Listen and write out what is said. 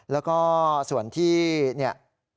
แล้วก็ส่วนที่เนี่ย